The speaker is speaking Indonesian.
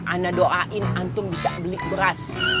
ana doain antum bisa beli beras